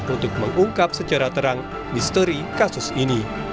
untuk mengungkap secara terang misteri kasus ini